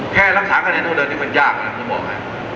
แค่รังคาคะแนนเท่าเดิมก็ไม่ยากนะครับผมบอกอ่ะ